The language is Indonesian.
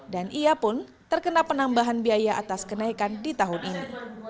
dan ia pun terkena penambahan biaya atas kenaikan di tahun ini